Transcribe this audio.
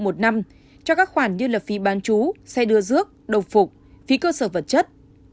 một năm cho các khoản như lập phí bán chú xe đưa rước đồng phục phí cơ sở vật chất